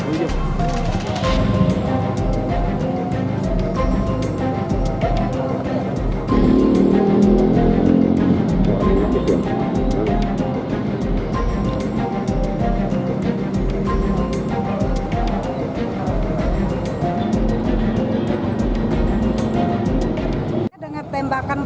untuk mengecek bola tkp